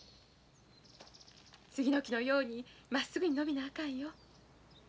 杉の木のようにまっすぐに伸びなあかんよ。